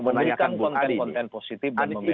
memiliki konten konten positif dan memelan anies